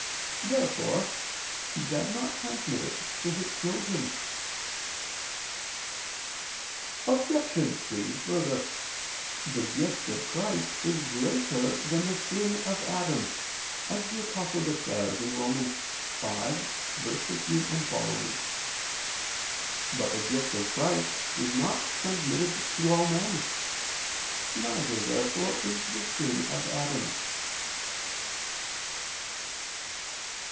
Therefore he does not transmit it to his children. Obj. 3: Further, the gift of Christ is greater than the sin of Adam, as the Apostle declares (Rom. 5:15, seqq). But the gift of Christ is not transmitted to all men: neither, therefore, is the sin of Adam.